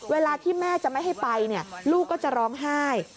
เวลาที่แม่จะไม่ให้ไปลูกก็จะร้องไห้